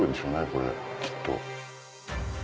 これきっと。